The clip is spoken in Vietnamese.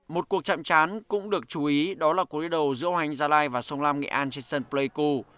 một cuộc chạm chán cũng được chú ý đó là cuộc đi đấu giữa hoành gia lai và sông lam nghệ an trên sân pleiku